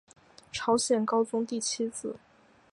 朝鲜高宗第七子。